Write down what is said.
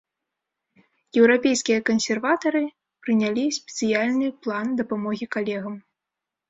Еўрапейскія кансерватары прынялі спецыяльны план дапамогі калегам.